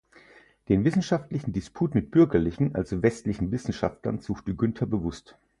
Den wissenschaftlichen Disput mit „bürgerlichen“, also westlichen, Wissenschaftlern suchte Günther bewusst.